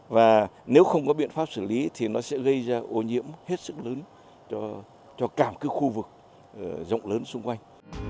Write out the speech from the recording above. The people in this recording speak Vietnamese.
và nếu không có biện pháp xử lý thì nó sẽ gây ra ô nhiễm hết sức lớn cho cả một khu vực rộng lớn xung quanh